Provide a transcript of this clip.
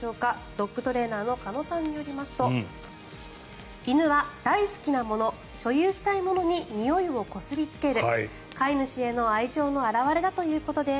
ドッグトレーナーの鹿野さんによりますと犬は、大好きなもの所有したいものににおいをこすりつける飼い主への愛情の表れだということです。